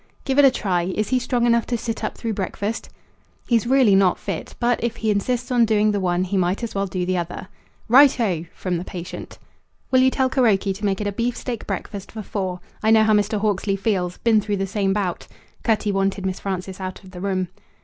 "Give it a try. Is he strong enough to sit up through breakfast?" "He's really not fit. But if he insists on doing the one he might as well do the other." "Righto!" from the patient. "Will you tell Kuroki to make it a beefsteak breakfast for four? I know how Mr. Hawksley feels. Been through the same bout." Cutty wanted Miss Frances out of the room.